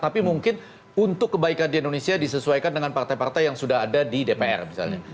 tapi mungkin untuk kebaikan di indonesia disesuaikan dengan partai partai yang sudah ada di dpr misalnya